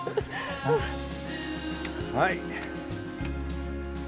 はい。